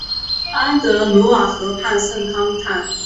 安德鲁瓦河畔圣康坦。